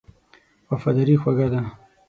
وفاداري خوږه ده.